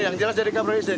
yang jelas dari kabel listrik